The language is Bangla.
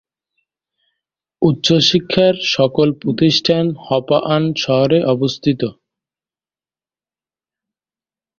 উচ্চশিক্ষার সকল প্রতিষ্ঠান হপা-আন শহরে অবস্থিত।